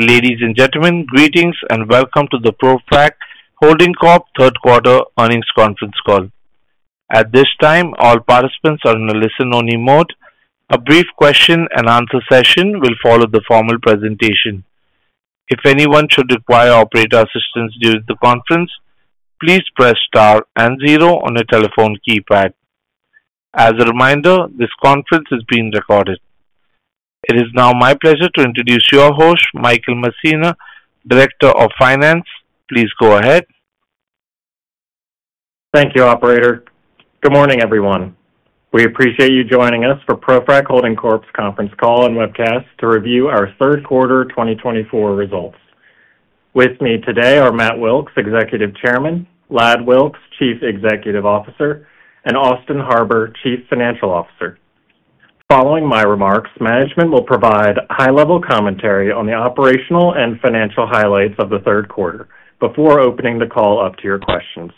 Ladies and gentlemen, greetings and welcome to the ProFrac Holding Corp Third Quarter Earnings Conference Call. At this time, all participants are in a listen-only mode. A brief question-and-answer session will follow the formal presentation. If anyone should require operator assistance during the conference, please press star and zero on the telephone keypad. As a reminder, this conference is being recorded. It is now my pleasure to introduce your host, Michael Messina, Director of Finance. Please go ahead. Thank you, Operator. Good morning, everyone. We appreciate you joining us for ProFrac Holding Corp's conference call and webcast to review our third quarter 2024 results. With me today are Matt Wilks, Executive Chairman, Ladd Wilks, Chief Executive Officer, and Austin Harbour, Chief Financial Officer. Following my remarks, management will provide high-level commentary on the operational and financial highlights of the third quarter before opening the call up to your questions.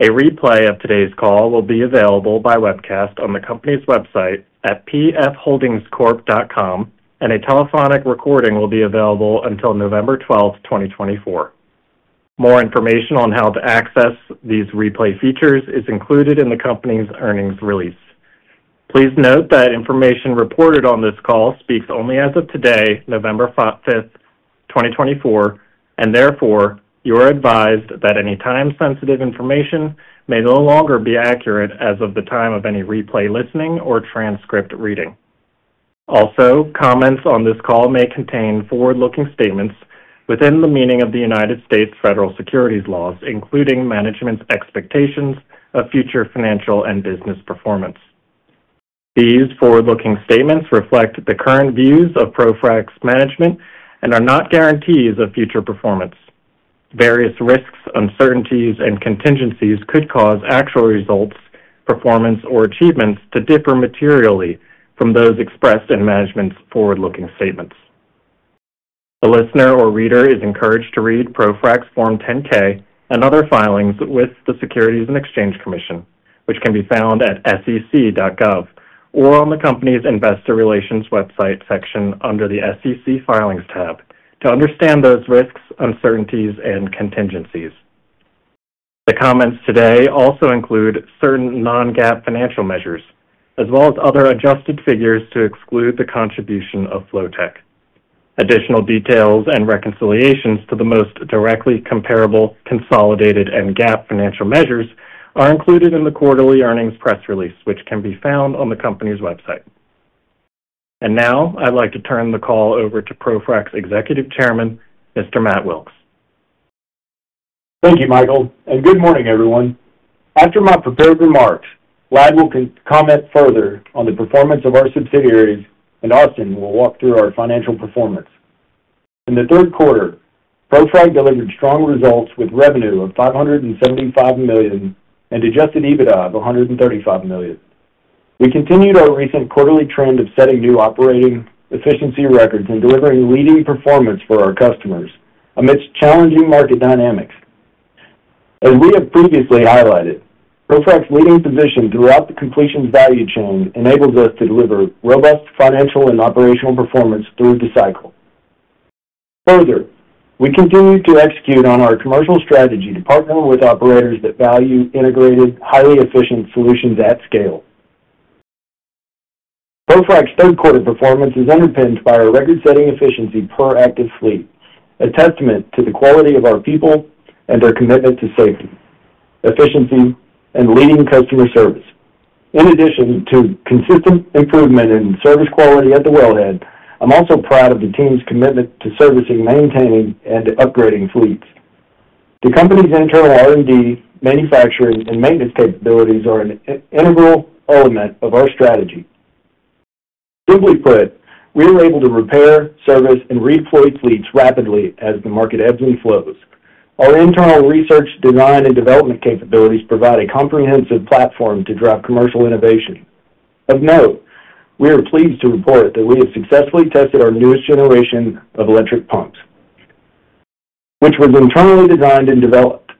A replay of today's call will be available by webcast on the company's website at pfholdingscorp.com, and a telephonic recording will be available until November 12th, 2024. More information on how to access these replay features is included in the company's earnings release. Please note that information reported on this call speaks only as of today, November 5th, 2024, and therefore, you are advised that any time-sensitive information may no longer be accurate as of the time of any replay listening or transcript reading. Also, comments on this call may contain forward-looking statements within the meaning of the United States Federal Securities Laws, including management's expectations of future financial and business performance. These forward-looking statements reflect the current views of ProFrac's management and are not guarantees of future performance. Various risks, uncertainties, and contingencies could cause actual results, performance, or achievements to differ materially from those expressed in management's forward-looking statements. The listener or reader is encouraged to read ProFrac's Form 10-K and other filings with the Securities and Exchange Commission, which can be found at sec.gov or on the company's Investor Relations website section under the SEC Filings tab, to understand those risks, uncertainties, and contingencies. The comments today also include certain non-GAAP financial measures, as well as other adjusted figures to exclude the contribution of Flotek. Additional details and reconciliations to the most directly comparable consolidated and GAAP financial measures are included in the quarterly earnings press release, which can be found on the company's website. And now, I'd like to turn the call over to ProFrac's Executive Chairman, Mr. Matt Wilks. Thank you, Michael, and good morning, everyone. After my prepared remarks, Ladd Wilks will comment further on the performance of our subsidiaries, and Austin will walk through our financial performance. In the third quarter, ProFrac delivered strong results with revenue of $575 million and adjusted EBITDA of $135 million. We continued our recent quarterly trend of setting new operating efficiency records and delivering leading performance for our customers amidst challenging market dynamics. As we have previously highlighted, ProFrac's leading position throughout the completions value chain enables us to deliver robust financial and operational performance through the cycle. Further, we continue to execute on our commercial strategy to partner with operators that value integrated, highly efficient solutions at scale. ProFrac's third quarter performance is underpinned by our record-setting efficiency per active fleet, a testament to the quality of our people and our commitment to safety, efficiency, and leading customer service. In addition to consistent improvement in service quality at the wellhead, I'm also proud of the team's commitment to servicing, maintaining, and upgrading fleets. The company's internal R&D, manufacturing, and maintenance capabilities are an integral element of our strategy. Simply put, we are able to repair, service, and redeploy fleets rapidly as the market ebbs and flows. Our internal research, design, and development capabilities provide a comprehensive platform to drive commercial innovation. Of note, we are pleased to report that we have successfully tested our newest generation of electric pumps, which was internally designed and developed.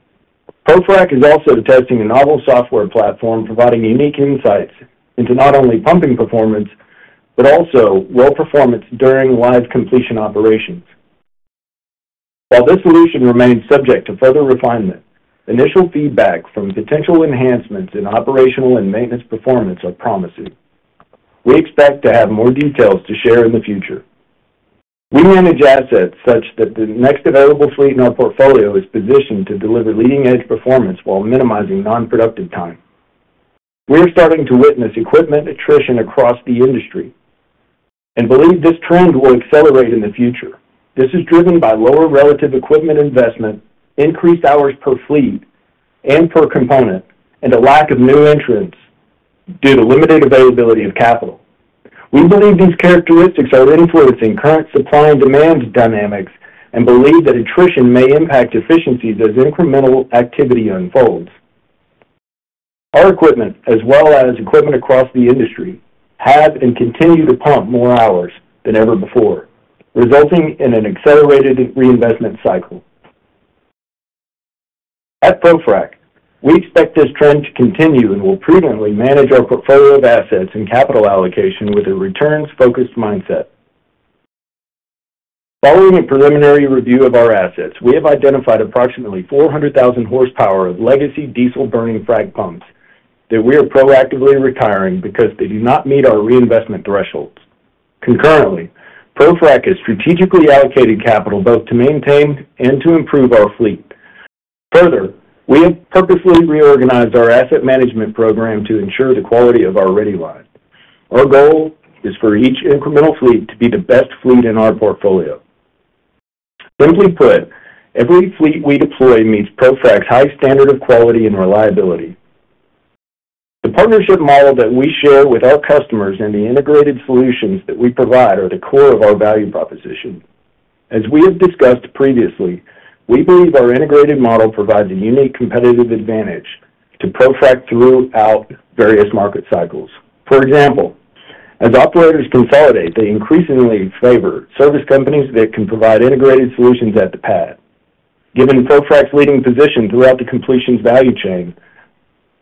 ProFrac is also testing a novel software platform providing unique insights into not only pumping performance but also well performance during live completion operations. While this solution remains subject to further refinement, initial feedback from potential enhancements in operational and maintenance performance are promising. We expect to have more details to share in the future. We manage assets such that the next available fleet in our portfolio is positioned to deliver leading-edge performance while minimizing non-productive time. We are starting to witness equipment attrition across the industry and believe this trend will accelerate in the future. This is driven by lower relative equipment investment, increased hours per fleet and per component, and a lack of new entrants due to limited availability of capital. We believe these characteristics are influencing current supply and demand dynamics and believe that attrition may impact efficiencies as incremental activity unfolds. Our equipment, as well as equipment across the industry, have and continue to pump more hours than ever before, resulting in an accelerated reinvestment cycle. At ProFrac, we expect this trend to continue and will prudently manage our portfolio of assets and capital allocation with a returns-focused mindset. Following a preliminary review of our assets, we have identified approximately 400,000 horsepower of legacy diesel-burning frac pumps that we are proactively retiring because they do not meet our reinvestment thresholds. Concurrently, ProFrac has strategically allocated capital both to maintain and to improve our fleet. Further, we have purposely reorganized our asset management program to ensure the quality of our ready line. Our goal is for each incremental fleet to be the best fleet in our portfolio. Simply put, every fleet we deploy meets ProFrac's high standard of quality and reliability. The partnership model that we share with our customers and the integrated solutions that we provide are the core of our value proposition. As we have discussed previously, we believe our integrated model provides a unique competitive advantage to ProFrac throughout various market cycles. For example, as operators consolidate, they increasingly favor service companies that can provide integrated solutions at the pad. Given ProFrac's leading position throughout the completion's value chain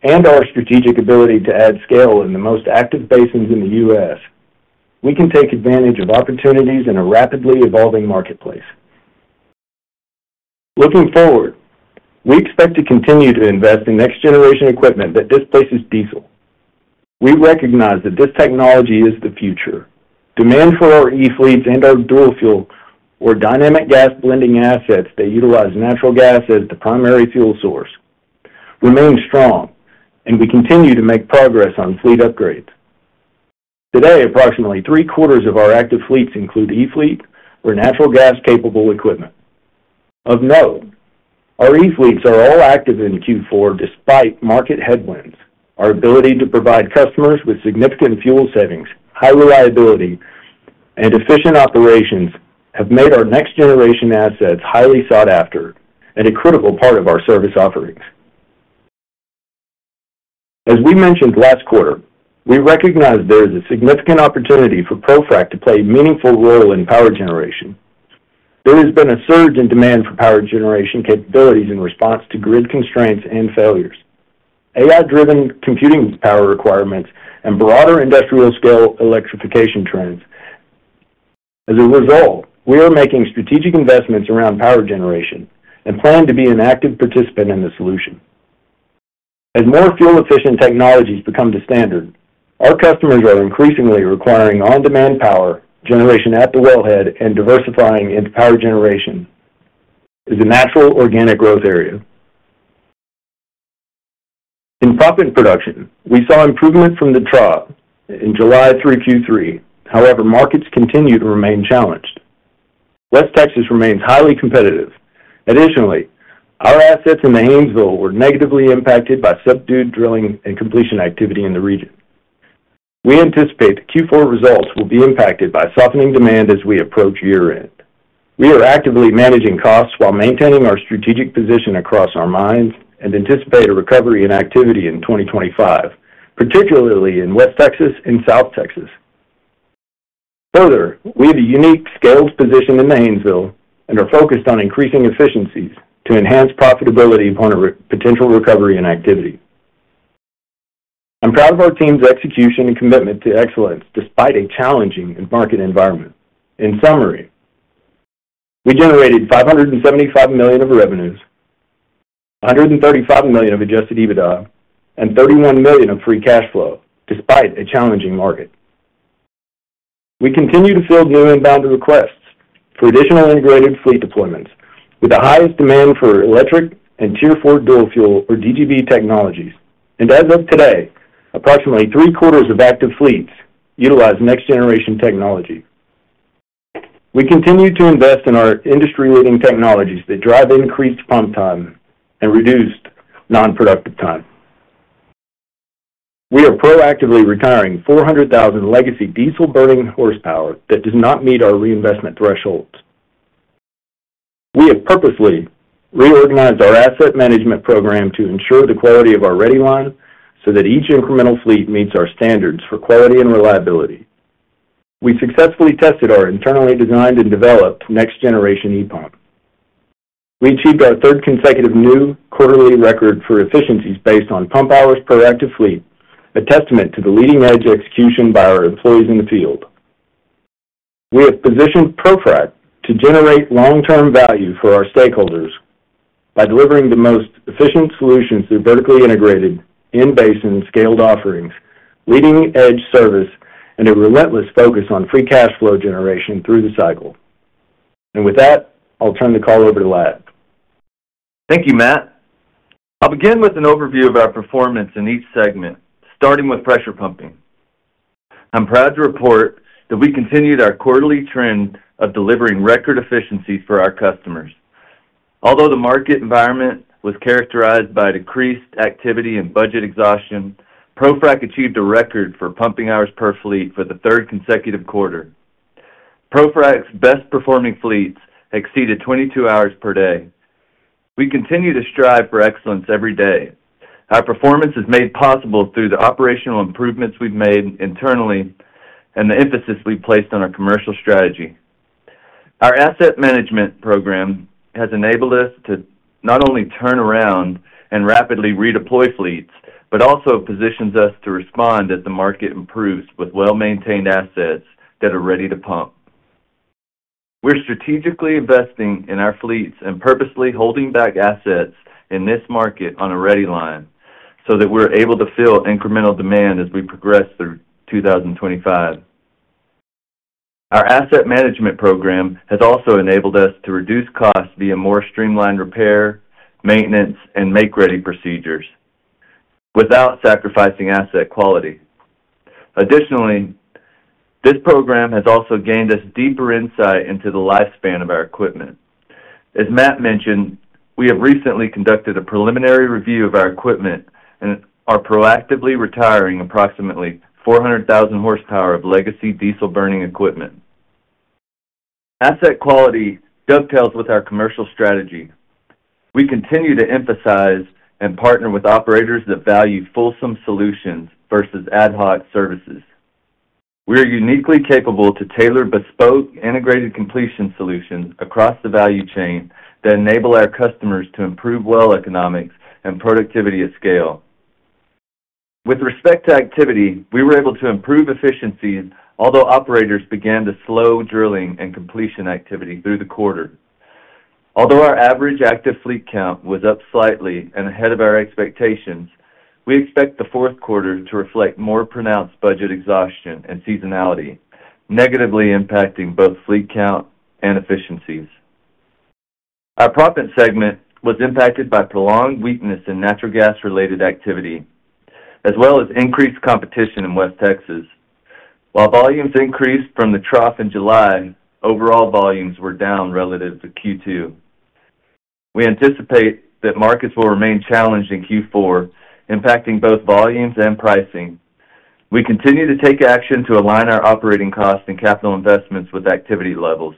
and our strategic ability to add scale in the most active basins in the U.S., we can take advantage of opportunities in a rapidly evolving marketplace. Looking forward, we expect to continue to invest in next-generation equipment that displaces diesel. We recognize that this technology is the future. Demand for our e-fleets and our dual-fuel or dynamic gas blending assets that utilize natural gas as the primary fuel source remains strong, and we continue to make progress on fleet upgrades. Today, approximately three-quarters of our active fleets include e-fleet or natural gas-capable equipment. Of note, our e-fleets are all active in Q4 despite market headwinds. Our ability to provide customers with significant fuel savings, high reliability, and efficient operations have made our next-generation assets highly sought after and a critical part of our service offerings. As we mentioned last quarter, we recognize there is a significant opportunity for ProFrac to play a meaningful role in power generation. There has been a surge in demand for power generation capabilities in response to grid constraints and failures, AI-driven computing power requirements, and broader industrial-scale electrification trends. As a result, we are making strategic investments around power generation and plan to be an active participant in the solution. As more fuel-efficient technologies become the standard, our customers are increasingly requiring on-demand power generation at the wellhead and diversifying into power generation as a natural organic growth area. In Proppant Production, we saw improvement from the trough in July through Q3. However, markets continue to remain challenged. West Texas remains highly competitive. Additionally, our assets in the Haynesville Shale were negatively impacted by subdued drilling and completion activity in the region. We anticipate the Q4 results will be impacted by softening demand as we approach year-end. We are actively managing costs while maintaining our strategic position across our mines and anticipate a recovery in activity in 2025, particularly in West Texas and South Texas. Further, we have a unique scaled position in the Haynesville Shale and are focused on increasing efficiencies to enhance profitability upon a potential recovery in activity. I'm proud of our team's execution and commitment to excellence despite a challenging market environment. In summary, we generated $575 million of revenues, $135 million of adjusted EBITDA, and $31 million of free cash flow despite a challenging market. We continue to field new inbound requests for additional integrated fleet deployments with the highest demand for electric and Tier 4 dual-fuel or DGB technologies. And as of today, approximately three-quarters of active fleets utilize next-generation technology. We continue to invest in our industry-leading technologies that drive increased pump time and reduced non-productive time. We are proactively retiring 400,000 legacy diesel-burning horsepower that does not meet our reinvestment thresholds. We have purposely reorganized our asset management program to ensure the quality of our ready line so that each incremental fleet meets our standards for quality and reliability. We successfully tested our internally designed and developed next-generation e-pump. We achieved our third consecutive new quarterly record for efficiencies based on pump hours per active fleet, a testament to the leading-edge execution by our employees in the field. We have positioned ProFrac to generate long-term value for our stakeholders by delivering the most efficient solutions through vertically integrated in-base and scaled offerings, leading-edge service, and a relentless focus on free cash flow generation through the cycle. And with that, I'll turn the call over to Ladd. Thank you, Matt. I'll begin with an overview of our performance in each segment, starting with pressure pumping. I'm proud to report that we continued our quarterly trend of delivering record efficiencies for our customers. Although the market environment was characterized by decreased activity and budget exhaustion, ProFrac achieved a record for pumping hours per fleet for the third consecutive quarter. ProFrac's best-performing fleets exceeded 22 hours per day. We continue to strive for excellence every day. Our performance is made possible through the operational improvements we've made internally and the emphasis we've placed on our commercial strategy. Our asset management program has enabled us to not only turn around and rapidly redeploy fleets but also positions us to respond as the market improves with well-maintained assets that are ready to pump. We're strategically investing in our fleets and purposely holding back assets in this market on a ready line so that we're able to fill incremental demand as we progress through 2025. Our asset management program has also enabled us to reduce costs via more streamlined repair, maintenance, and make-ready procedures without sacrificing asset quality. Additionally, this program has also gained us deeper insight into the lifespan of our equipment. As Matt mentioned, we have recently conducted a preliminary review of our equipment and are proactively retiring approximately 400,000 horsepower of legacy diesel-burning equipment. Asset quality dovetails with our commercial strategy. We continue to emphasize and partner with operators that value fulsome solutions versus ad hoc services. We are uniquely capable to tailor bespoke integrated completion solutions across the value chain that enable our customers to improve well economics and productivity at scale. With respect to activity, we were able to improve efficiencies, although operators began to slow drilling and completion activity through the quarter. Although our average active fleet count was up slightly and ahead of our expectations, we expect the fourth quarter to reflect more pronounced budget exhaustion and seasonality, negatively impacting both fleet count and efficiencies. Our Proppant segment was impacted by prolonged weakness in natural gas-related activity, as well as increased competition in West Texas. While volumes increased from the trough in July, overall volumes were down relative to Q2. We anticipate that markets will remain challenged in Q4, impacting both volumes and pricing. We continue to take action to align our operating costs and capital investments with activity levels.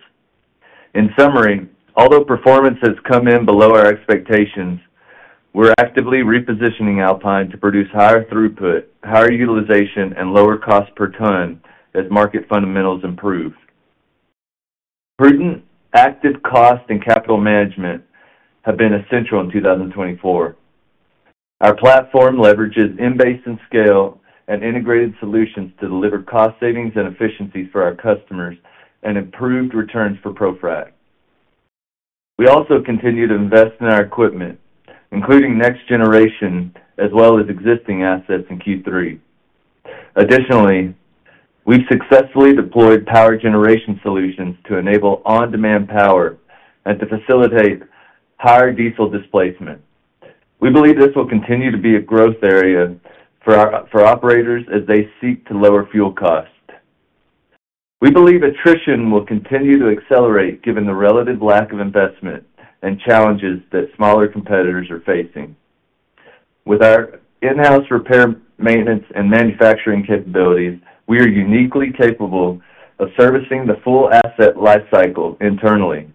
In summary, although performance has come in below our expectations, we're actively repositioning Alpine to produce higher throughput, higher utilization, and lower cost per ton as market fundamentals improve. Prudent, active cost and capital management have been essential in 2024. Our platform leverages in-basin scale and integrated solutions to deliver cost savings and efficiencies for our customers and improved returns for ProFrac. We also continue to invest in our equipment, including next-generation as well as existing assets in Q3. Additionally, we've successfully deployed power generation solutions to enable on-demand power and to facilitate higher diesel displacement. We believe this will continue to be a growth area for operators as they seek to lower fuel costs. We believe attrition will continue to accelerate given the relative lack of investment and challenges that smaller competitors are facing. With our in-house repair, maintenance, and manufacturing capabilities, we are uniquely capable of servicing the full asset lifecycle internally,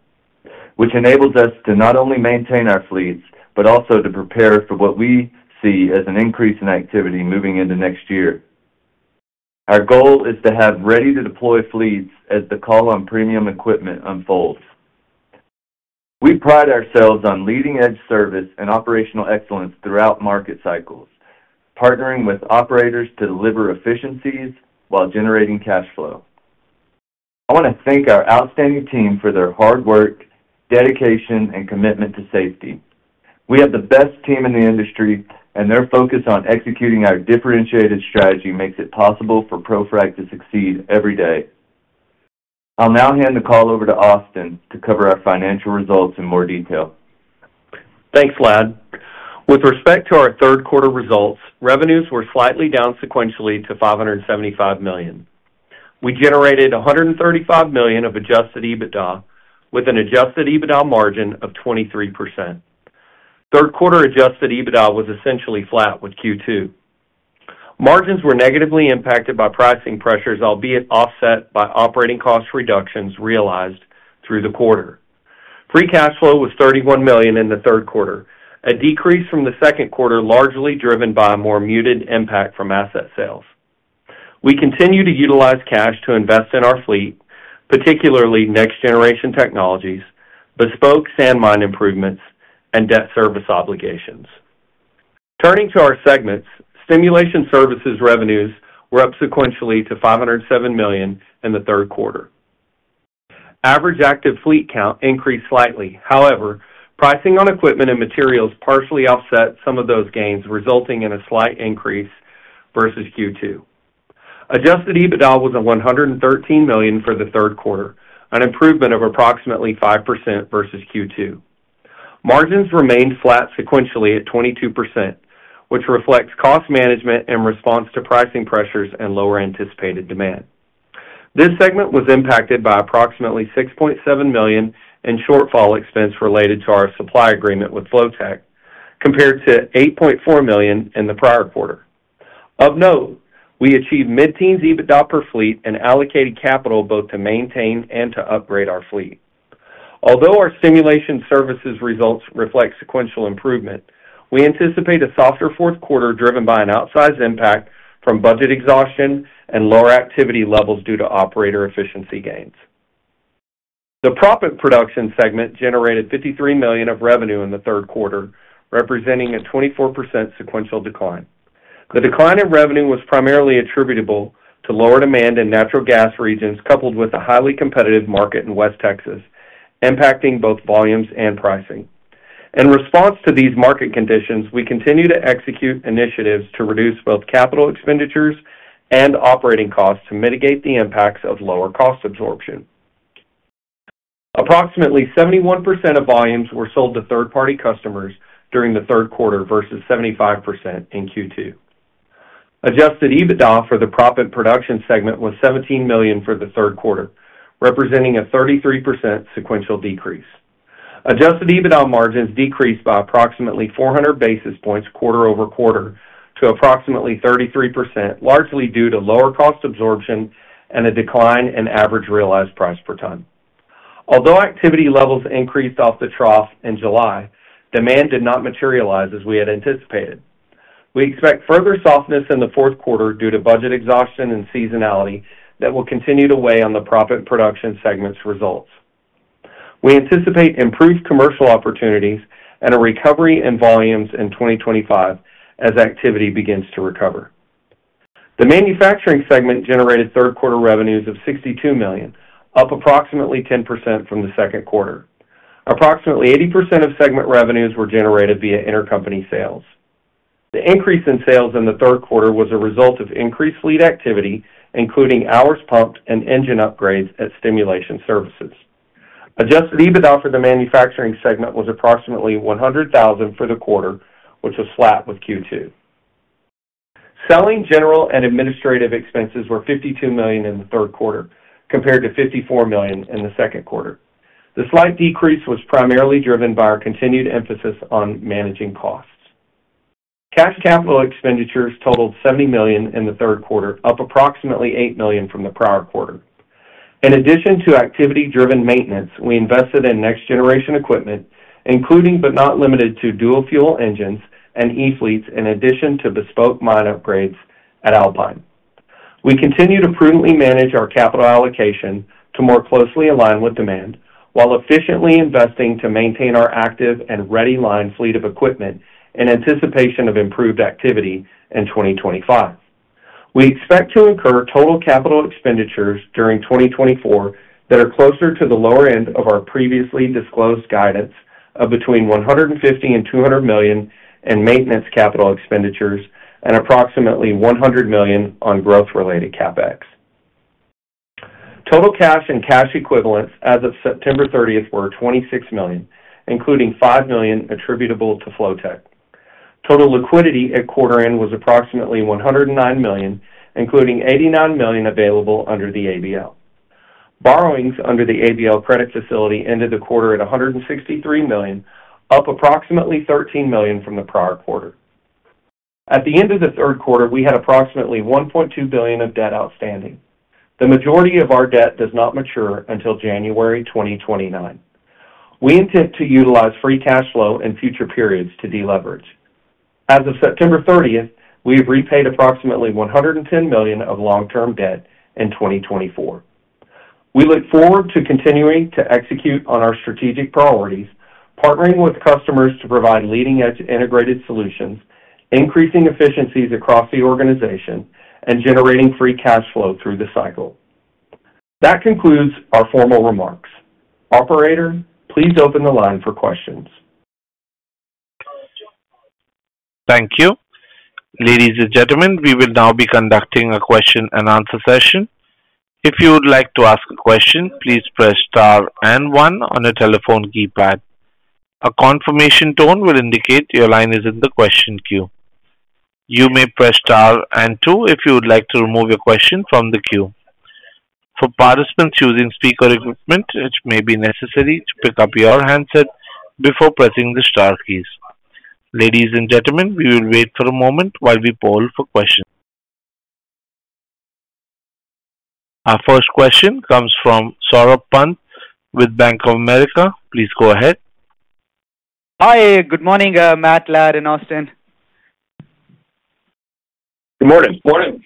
which enables us to not only maintain our fleets but also to prepare for what we see as an increase in activity moving into next year. Our goal is to have ready-to-deploy fleets as the call on premium equipment unfolds. We pride ourselves on leading-edge service and operational excellence throughout market cycles, partnering with operators to deliver efficiencies while generating cash flow. I want to thank our outstanding team for their hard work, dedication, and commitment to safety. We have the best team in the industry, and their focus on executing our differentiated strategy makes it possible for ProFrac to succeed every day. I'll now hand the call over to Austin to cover our financial results in more detail. Thanks, Ladd. With respect to our third quarter results, revenues were slightly down sequentially to $575 million. We generated $135 million of adjusted EBITDA with an adjusted EBITDA margin of 23%. Third quarter adjusted EBITDA was essentially flat with Q2. Margins were negatively impacted by pricing pressures, albeit offset by operating cost reductions realized through the quarter. Free cash flow was $31 million in the third quarter, a decrease from the second quarter largely driven by a more muted impact from asset sales. We continue to utilize cash to invest in our fleet, particularly next-generation technologies, bespoke sand mine improvements, and debt service obligations. Turning to our segments, Stimulation Services revenues were up sequentially to $507 million in the third quarter. Average active fleet count increased slightly. However, pricing on equipment and materials partially offset some of those gains, resulting in a slight increase versus Q2. Adjusted EBITDA was $113 million for the third quarter, an improvement of approximately 5% versus Q2. Margins remained flat sequentially at 22%, which reflects cost management and response to pricing pressures and lower anticipated demand. This segment was impacted by approximately $6.7 million in shortfall expense related to our supply agreement with Flotek, compared to $8.4 million in the prior quarter. Of note, we achieved mid-teens EBITDA per fleet and allocated capital both to maintain and to upgrade our fleet. Although our Stimulation Services results reflect sequential improvement, we anticipate a softer fourth quarter driven by an outsized impact from budget exhaustion and lower activity levels due to operator efficiency gains. The Proppant Production segment generated $53 million of revenue in the third quarter, representing a 24% sequential decline. The decline in revenue was primarily attributable to lower demand in natural gas regions coupled with a highly competitive market in West Texas, impacting both volumes and pricing. In response to these market conditions, we continue to execute initiatives to reduce both capital expenditures and operating costs to mitigate the impacts of lower cost absorption. Approximately 71% of volumes were sold to third-party customers during the third quarter versus 75% in Q2. Adjusted EBITDA for the Proppant Production segment was $17 million for the third quarter, representing a 33% sequential decrease. Adjusted EBITDA margins decreased by approximately 400 basis points quarter over quarter to approximately 33%, largely due to lower cost absorption and a decline in average realized price per ton. Although activity levels increased off the trough in July, demand did not materialize as we had anticipated. We expect further softness in the fourth quarter due to budget exhaustion and seasonality that will continue to weigh on the Proppant Production segment's results. We anticipate improved commercial opportunities and a recovery in volumes in 2025 as activity begins to recover. The Manufacturing segment generated third quarter revenues of $62 million, up approximately 10% from the second quarter. Approximately 80% of segment revenues were generated via intercompany sales. The increase in sales in the third quarter was a result of increased fleet activity, including hours pumped and engine upgrades at Stimulation Services. Adjusted EBITDA for the Manufacturing segment was approximately $100,000 for the quarter, which was flat with Q2. Selling general and administrative expenses were $52 million in the third quarter, compared to $54 million in the second quarter. The slight decrease was primarily driven by our continued emphasis on managing costs. Cash capital expenditures totaled $70 million in the third quarter, up approximately $8 million from the prior quarter. In addition to activity-driven maintenance, we invested in next-generation equipment, including but not limited to dual-fuel engines and e-fleets, in addition to bespoke mine upgrades at Alpine. We continue to prudently manage our capital allocation to more closely align with demand while efficiently investing to maintain our active and ready line fleet of equipment in anticipation of improved activity in 2025. We expect to incur total capital expenditures during 2024 that are closer to the lower end of our previously disclosed guidance of between $150 million and $200 million in maintenance capital expenditures and approximately $100 million on growth-related CapEx. Total cash and cash equivalents as of September 30 were $26 million, including $5 million attributable to Flotek. Total liquidity at quarter end was approximately $109 million, including $89 million available under the ABL. Borrowings under the ABL credit facility ended the quarter at $163 million, up approximately $13 million from the prior quarter. At the end of the third quarter, we had approximately $1.2 billion of debt outstanding. The majority of our debt does not mature until January 2029. We intend to utilize free cash flow in future periods to deleverage. As of September 30, we have repaid approximately $110 million of long-term debt in 2024. We look forward to continuing to execute on our strategic priorities, partnering with customers to provide leading-edge integrated solutions, increasing efficiencies across the organization, and generating free cash flow through the cycle. That concludes our formal remarks. Operator, please open the line for questions. Thank you. Ladies and gentlemen, we will now be conducting a question-and-answer session. If you would like to ask a question, please press star and one on a telephone keypad. A confirmation tone will indicate your line is in the question queue. You may press star and two if you would like to remove your question from the queue. For participants using speaker equipment, it may be necessary to pick up your handset before pressing the star keys. Ladies and gentlemen, we will wait for a moment while we poll for questions. Our first question comes from Saurabh Pant with Bank of America. Please go ahead. Hi. Good morning, Matt, Ladd, and Austin. Good morning. Good morning.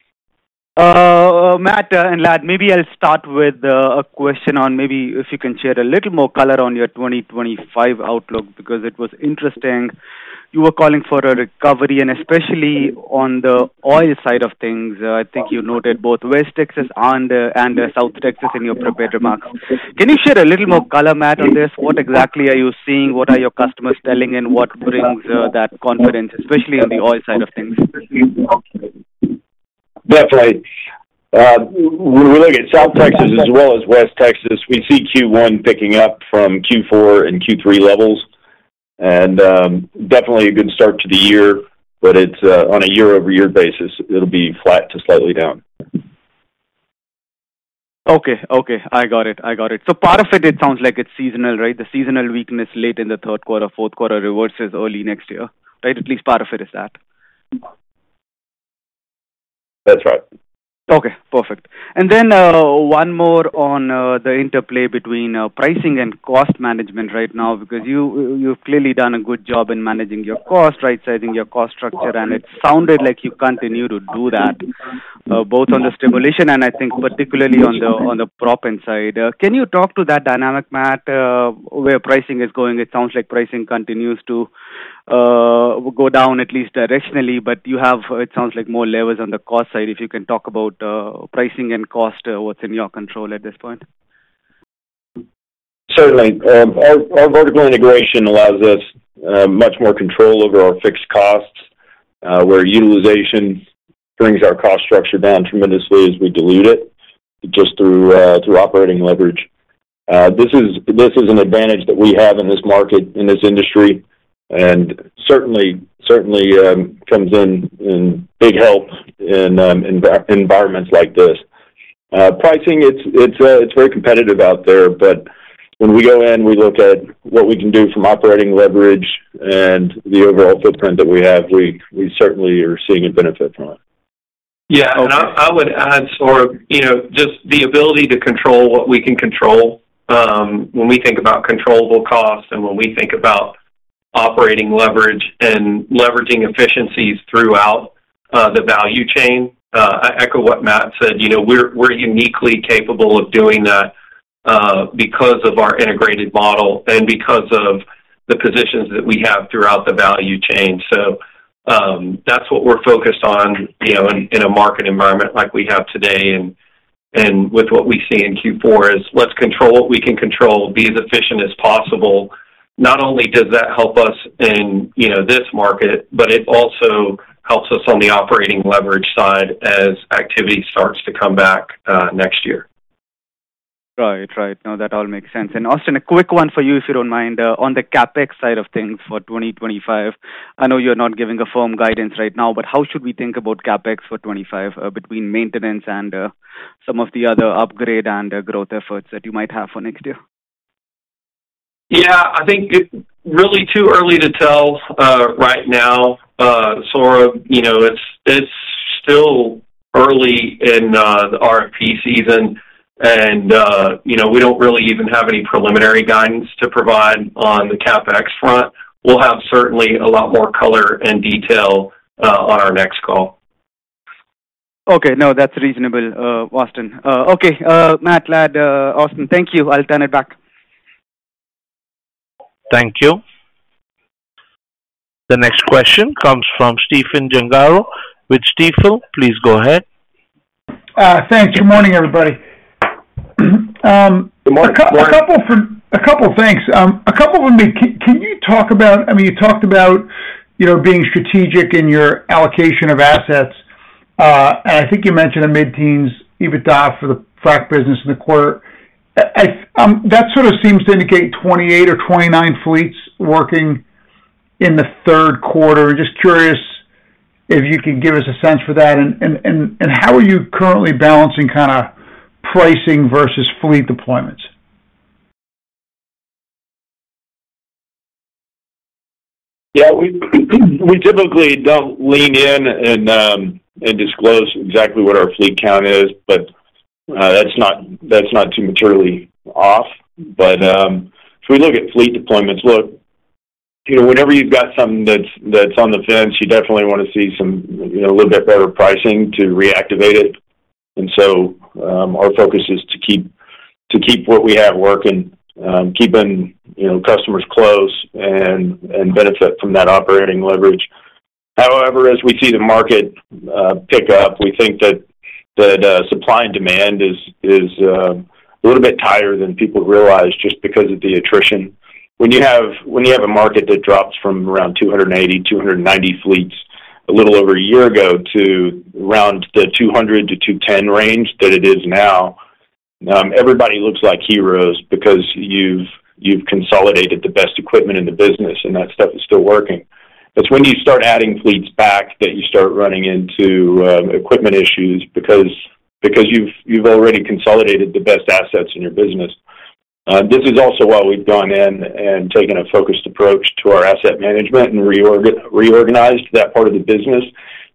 Matt and Ladd, maybe I'll start with a question on maybe if you can share a little more color on your 2025 outlook because it was interesting. You were calling for a recovery, and especially on the oil side of things. I think you noted both West Texas and South Texas in your prepared remarks. Can you share a little more color, Matt, on this? What exactly are you seeing? What are your customers telling, and what brings that confidence, especially on the oil side of things? Definitely. When we look at South Texas as well as West Texas, we see Q1 picking up from Q4 and Q3 levels. And definitely a good start to the year, but on a year-over-year basis, it'll be flat to slightly down. Okay. I got it. I got it. So part of it, it sounds like it's seasonal, right? The seasonal weakness late in the third quarter, fourth quarter reverses early next year, right? At least part of it is that. That's right. Okay. Perfect. And then one more on the interplay between pricing and cost management right now because you've clearly done a good job in managing your cost, right? Setting your cost structure, and it sounded like you continue to do that both on the stimulation and I think particularly on the Proppant. Can you talk to that dynamic, Matt, where pricing is going? It sounds like pricing continues to go down at least directionally, but you have, it sounds like, more levers on the cost side. If you can talk about pricing and cost, what's in your control at this point? Certainly. Our vertical integration allows us much more control over our fixed costs, where utilization brings our cost structure down tremendously as we dilute it just through operating leverage. This is an advantage that we have in this market, in this industry, and certainly comes in big help in environments like this. Pricing, it's very competitive out there, but when we go in, we look at what we can do from operating leverage and the overall footprint that we have. We certainly are seeing a benefit from it. Yeah, and I would add, Saurabh, just the ability to control what we can control when we think about controllable costs and when we think about operating leverage and leveraging efficiencies throughout the value chain. I echo what Matt said. We're uniquely capable of doing that because of our integrated model and because of the positions that we have throughout the value chain. That's what we're focused on in a market environment like we have today, and with what we see in Q4, let's control what we can control and be as efficient as possible. Not only does that help us in this market, but it also helps us on the operating leverage side as activity starts to come back next year. Right. No, that all makes sense. And Austin, a quick one for you, if you don't mind, on the CapEx side of things for 2025. I know you're not giving a firm guidance right now, but how should we think about CapEx for 2025 between maintenance and some of the other upgrade and growth efforts that you might have for next year? Yeah. I think really too early to tell right now. Saurabh, it's still early in the RFP season, and we don't really even have any preliminary guidance to provide on the CapEx front. We'll have certainly a lot more color and detail on our next call. Okay. No, that's reasonable, Austin. Okay. Matt, Ladd, Austin, thank you. I'll turn it back. Thank you. The next question comes from Stephen Gengaro with Stifel, please go ahead. Thanks. Good morning, everybody. Good morning. A couple of things. Can you talk about, I mean, you talked about being strategic in your allocation of assets, and I think you mentioned a mid-teens EBITDA for the frac business in the quarter. That sort of seems to indicate 28 or 29 fleets working in the third quarter. Just curious if you could give us a sense for that, and how are you currently balancing kind of pricing versus fleet deployments? Yeah. We typically don't lean in and disclose exactly what our fleet count is, but that's not too materially off. But if we look at fleet deployments, look, whenever you've got something that's on the fence, you definitely want to see a little bit better pricing to reactivate it. And so our focus is to keep what we have working, keeping customers close, and benefit from that operating leverage. However, as we see the market pick up, we think that supply and demand is a little bit tighter than people realize just because of the attrition. When you have a market that drops from around 280-290 fleets a little over a year ago to around the 200-210 range that it is now, everybody looks like heroes because you've consolidated the best equipment in the business, and that stuff is still working. It's when you start adding fleets back that you start running into equipment issues because you've already consolidated the best assets in your business. This is also why we've gone in and taken a focused approach to our asset management and reorganized that part of the business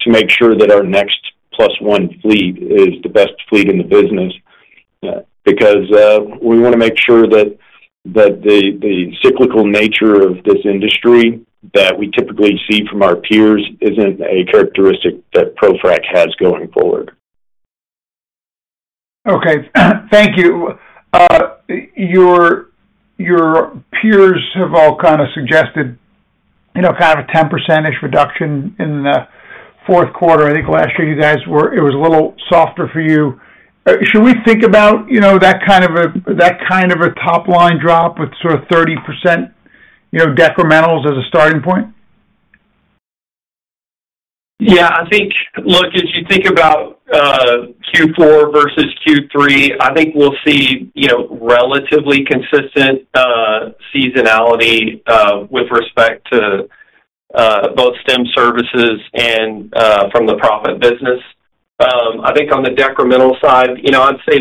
to make sure that our next plus one fleet is the best fleet in the business because we want to make sure that the cyclical nature of this industry that we typically see from our peers isn't a characteristic that ProFrac has going forward. Okay. Thank you. Your peers have all kind of suggested kind of a 10%-ish reduction in the fourth quarter. I think last year you guys were. It was a little softer for you. Should we think about that kind of a top-line drop with sort of 30% decrementals as a starting point? Yeah. I think, look, as you think about Q4 versus Q3, I think we'll see relatively consistent seasonality with respect to both Stimulation Services and from the Proppant business. I think on the decremental side, I'd say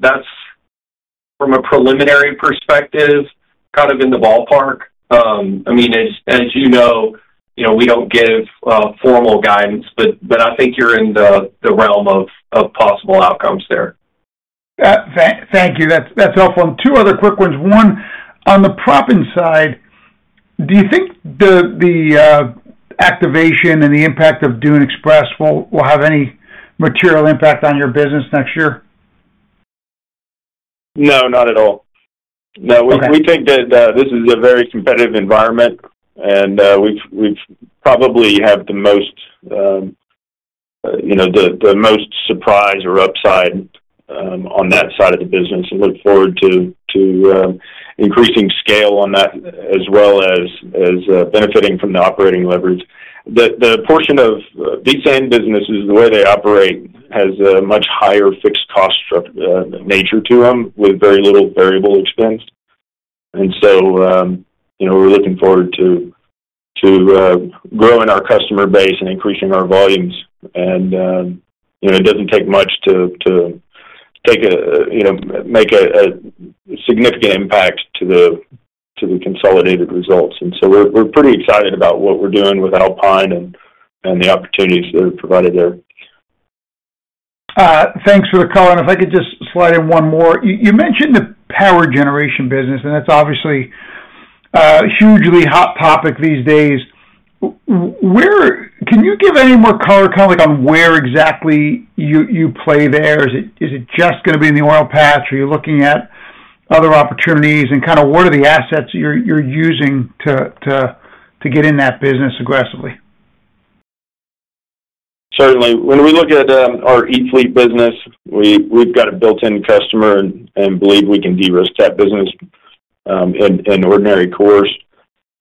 that's from a preliminary perspective, kind of in the ballpark. I mean, as you know, we don't give formal guidance, but I think you're in the realm of possible outcomes there. Thank you. That's helpful. And two other quick ones. One, on the Proppant, do you think the activation and the impact of Dune Express will have any material impact on your business next year? No, not at all. No. We think that this is a very competitive environment, and we probably have the most surprise or upside on that side of the business and look forward to increasing scale on that as well as benefiting from the operating leverage. The portion of Basin businesses, the way they operate, has a much higher fixed cost nature to them with very little variable expense. And so we're looking forward to growing our customer base and increasing our volumes. And it doesn't take much to make a significant impact to the consolidated results. And so we're pretty excited about what we're doing with Alpine and the opportunities that are provided there. Thanks for the color, and if I could just slide in one more. You mentioned the power generation business, and that's obviously a hugely hot topic these days. Can you give any more color kind of on where exactly you play there? Is it just going to be in the oil patch? Are you looking at other opportunities, and kind of what are the assets you're using to get in that business aggressively? Certainly. When we look at our e-fleet business, we've got a built-in customer and believe we can de-risk that business in ordinary course.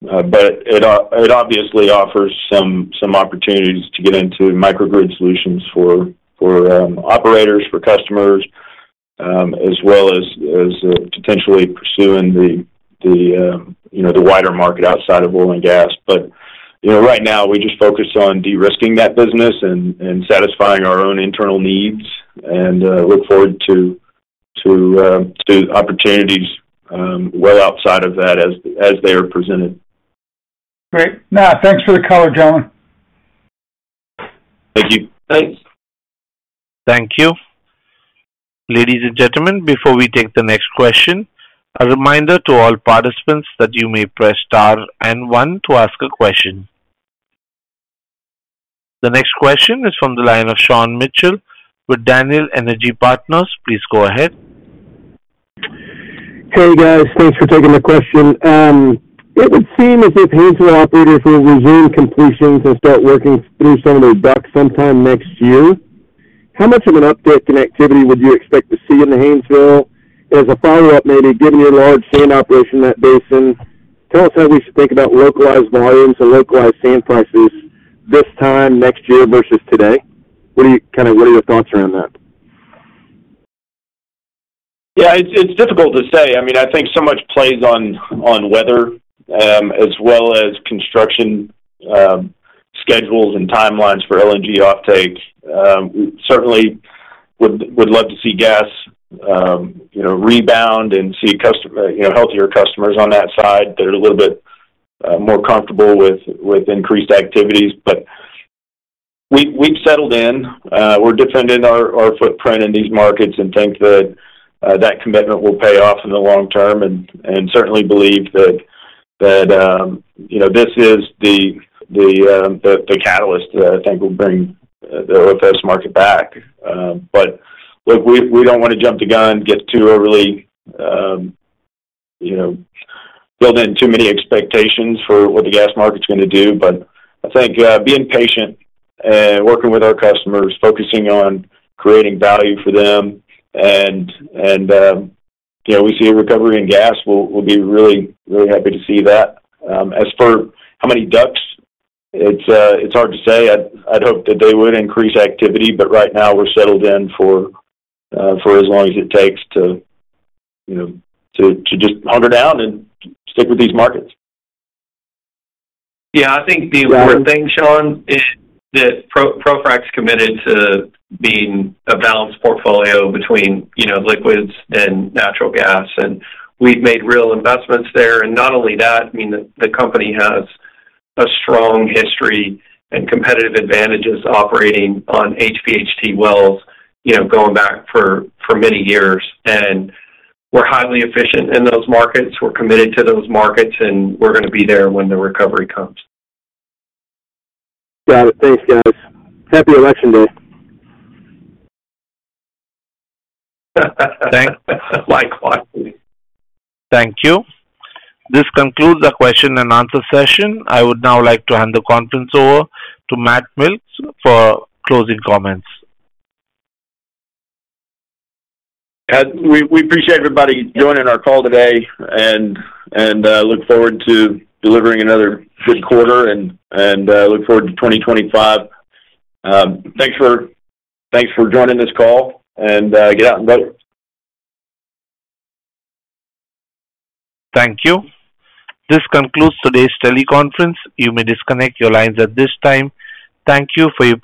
But it obviously offers some opportunities to get into microgrid solutions for operators, for customers, as well as potentially pursuing the wider market outside of oil and gas. But right now, we just focus on de-risking that business and satisfying our own internal needs and look forward to opportunities well outside of that as they are presented. Great. No, thanks for the color, gentlemen. Thank you. Thanks. Thank you. Ladies and gentlemen, before we take the next question, a reminder to all participants that you may press star and one to ask a question. The next question is from the line of Sean Mitchell with Daniel Energy Partners. Please go ahead. Hey, guys. Thanks for taking the question. It would seem as if Haynesville operators will resume completions and start working through some of their DUCs sometime next year. How much of an update in activity would you expect to see in Haynesville? As a follow-up, maybe given your large sand operation in that basin, tell us how we should think about localized volumes and localized sand prices this time, next year versus today. Kind of what are your thoughts around that? Yeah. It's difficult to say. I mean, I think so much plays on weather as well as construction schedules and timelines for LNG offtake. Certainly, would love to see gas rebound and see healthier customers on that side that are a little bit more comfortable with increased activities. But we've settled in. We're defending our footprint in these markets and think that that commitment will pay off in the long term and certainly believe that this is the catalyst that I think will bring the OFS market back. But look, we don't want to jump the gun, get too overly, build in too many expectations for what the gas market's going to do. But I think being patient and working with our customers, focusing on creating value for them. And we see a recovery in gas. We'll be really, really happy to see that. As for how many DUCs, it's hard to say. I'd hope that they would increase activity, but right now, we're settled in for as long as it takes to just hunker down and stick with these markets. Yeah. I think the important thing, Sean, is that ProFrac's committed to being a balanced portfolio between liquids and natural gas. And we've made real investments there. And not only that, I mean, the company has a strong history and competitive advantages operating on HPHT wells going back for many years. And we're highly efficient in those markets. We're committed to those markets, and we're going to be there when the recovery comes. Got it. Thanks, guys. Happy election day. Thanks. Likewise. Thank you. This concludes the question and answer session. I would now like to hand the conference over to Matt Wilks for closing comments. We appreciate everybody joining our call today, and I look forward to delivering another good quarter, and I look forward to 2025. Thanks for joining this call, and get out and vote. Thank you. This concludes today's teleconference. You may disconnect your lines at this time. Thank you for your.